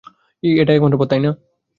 এটাই একমাত্র পথ, তাই না?